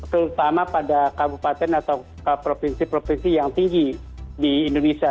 terutama pada kabupaten atau provinsi provinsi yang tinggi di indonesia